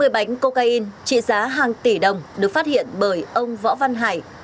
hai mươi bánh cocaine trị giá hàng tỷ đồng được phát hiện bởi ông võ văn hải